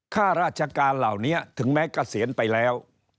ข้าราชการเหล่านี้ถึงแม้เกษียณไปแล้ว